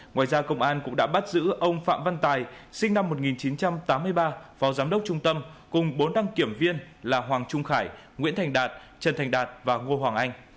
ngoài ra công an cũng đã bắt giữ ông phạm văn tài sinh năm một nghìn chín trăm tám mươi ba phó giám đốc trung tâm cùng bốn đăng kiểm viên là hoàng trung hải nguyễn thành đạt trần thành đạt và ngô hoàng anh